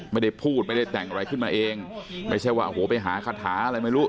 ไม่ได้พูดไม่ได้แต่งอะไรขึ้นมาเองไม่ใช่ว่าโอ้โหไปหาคาถาอะไรไม่รู้